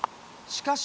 しかし！